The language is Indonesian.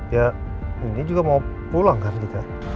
ya ini juga mau pulang kan kita